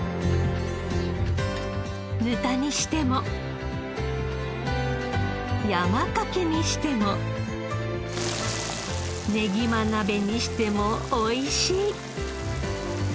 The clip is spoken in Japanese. ぬたにしても山かけにしてもねぎま鍋にしても美味しい。